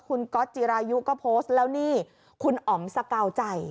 คุณก๊อตจิรายุก็โพสต์แล้วนี่คุณอ๋อมสกาวใจ